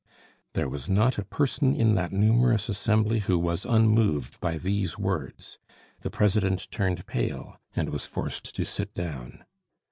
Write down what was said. There was not a person in that numerous assembly who was unmoved by these words. The president turned pale, and was forced to sit down.